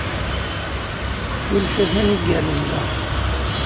Kullec a-t-an igerrez da.